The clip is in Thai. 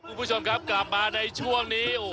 ขอบคุณผู้ชมกลับมาในช่วงนี้